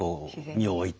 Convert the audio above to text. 身を置いて。